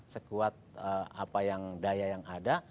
sekuat apa yang daya yang ada